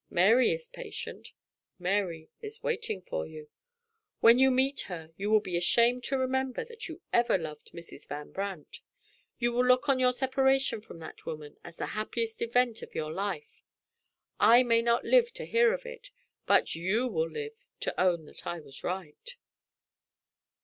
Mary is patient Mary is waiting for you. When you meet her, you will be ashamed to remember that you ever loved Mrs. Van Brandt you will look on your separation from that woman as the happiest event of your life. I may not live to hear of it but you will live to own that I was right."